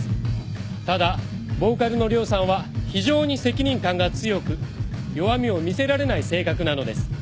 ただボーカルのＲＹＯさんは非常に責任感が強く弱みを見せられない性格なのです。